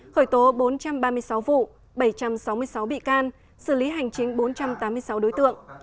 khởi tố bốn trăm ba mươi sáu vụ bảy trăm sáu mươi sáu bị can xử lý hành chính bốn trăm tám mươi sáu đối tượng